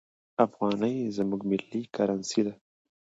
افغانۍ زموږ ملي کرنسي ده.